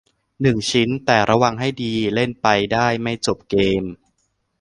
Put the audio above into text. หนึ่ง ชิ้น แต่ระวังให้ดี เล่นไปได้ไม่จบเกม